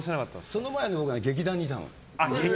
その前、僕は劇団にいたの。